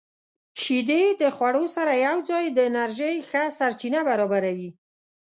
• شیدې د خوړو سره یوځای د انرژۍ ښه سرچینه برابروي.